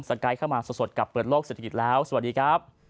ไกด์เข้ามาสดกับเปิดโลกเศรษฐกิจแล้วสวัสดีครับ